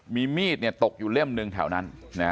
มีมีดตกอยู่เล่มหนึ่งแถวนั้น